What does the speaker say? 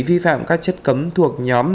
vi phạm các chất cấm thuộc nhóm